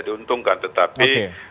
jadi untungkan tetapi